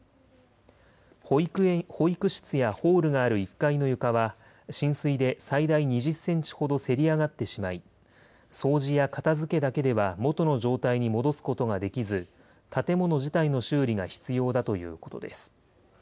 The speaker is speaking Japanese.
保育室やホールがある１階の床は、浸水で最大２０センチほどせり上がってしまい、掃除や片づけだけでは元の状態に戻すことができず、建物自体の修理が必要だということです。